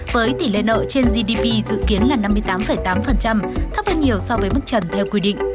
với tỷ lệ nợ trên gdp dự kiến là năm mươi tám tám thấp hơn nhiều so với mức trần theo quy định